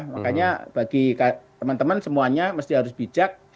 makanya bagi teman teman semuanya mesti harus bijak